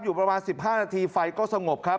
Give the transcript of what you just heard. อยู่ประมาณ๑๕นาทีไฟก็สงบครับ